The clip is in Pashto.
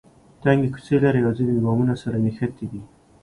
تنګې کوڅې لري او ځینې بامونه سره نښتي دي.